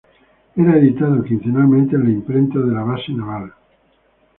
Era editado quincenalmente en la imprenta de la Base Naval.